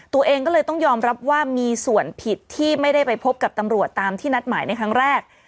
ตัวเองก็เลยต้องยอมรับว่ามีส่วนผิดที่ไม่ได้ไปพบกับตำรวจตามที่นัดหมายในครั้งแรก